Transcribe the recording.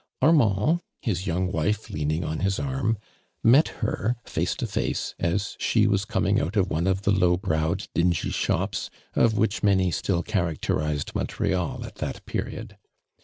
Armand, his young wife leaning on liis arm, met her face to face as she was coming out of one of the low browed, dingy shops, of which many still characterized Montreal at that period.